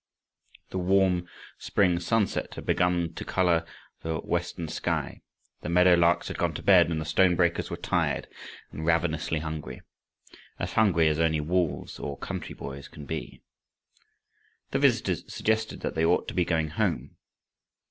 The warm spring sunset had begun to color the western sky; the meadow larks had gone to bed, and the stone breakers were tired and ravenously hungry as hungry as only wolves or country boys can be. The visitors suggested that they ought to be going home.